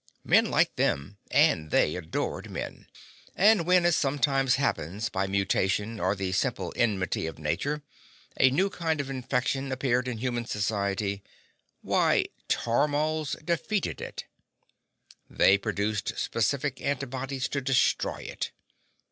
Men liked them, and they adored men. And when, as sometimes happened, by mutation or the simple enmity of nature, a new kind of infection appeared in human society—why—tormals defeated it. They produced specific antibodies to destroy it.